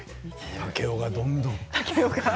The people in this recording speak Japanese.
竹雄がどんどん。